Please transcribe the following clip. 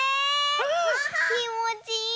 きもちいいね！